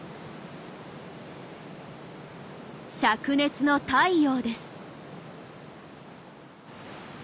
しゃく熱の太陽です。